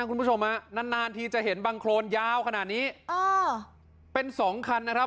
คุณผู้ชมฮะนานนานทีจะเห็นบังโครนยาวขนาดนี้อ๋อเป็นสองคันนะครับ